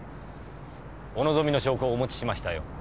お望みの証拠をお持ちしましたよ。